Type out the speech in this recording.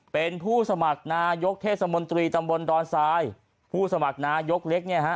เป็นผู้สมัครนายกเทศมนตรีตำบลดอนทรายผู้สมัครนายกเล็กเนี่ยฮะ